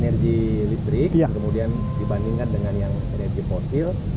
energi listrik kemudian dibandingkan dengan yang energi fosil